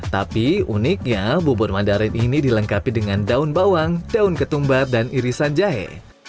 tapi uniknya bubur mandarin ini dilengkapi dengan daun bawang daun ketumbar dan irisan jahe